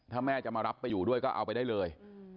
ถ้าแม่จะมารับไปอยู่ด้วยก็เอาไปได้เลย